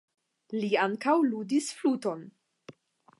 Li ankaŭ ludis fluton.